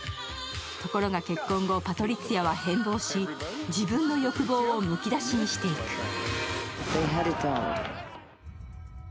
ところが結婚後、パトリツィアは変貌し、自分の欲望をむき出しにしていく。